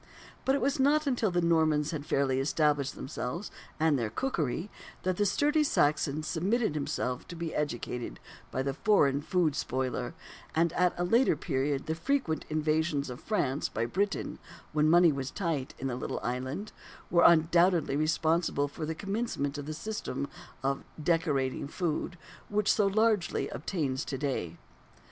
But it was not until the Normans had fairly established themselves and their cookery, that the sturdy Saxon submitted himself to be educated by the foreign food spoiler; and at a later period the frequent invasions of France by Britain when money was "tight" in the little island were undoubtedly responsible for the commencement of the system of "decorating" food which so largely obtains to day.